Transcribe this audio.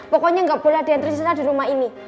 pokoknya nggak boleh diantri sisa di rumah ini